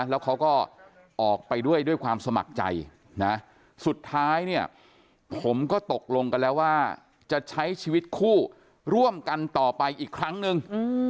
แล้วเขาก็ออกไปด้วยด้วยความสมัครใจนะสุดท้ายเนี่ยผมก็ตกลงกันแล้วว่าจะใช้ชีวิตคู่ร่วมกันต่อไปอีกครั้งนึง